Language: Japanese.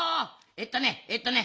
えっとねえっとね